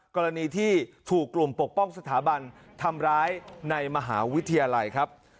กรณีที่ถูกกลุ่มปกป้องสถาบันทำร้ายในมหาวิทยาลัยครับ